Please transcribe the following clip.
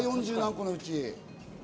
４５個のうち。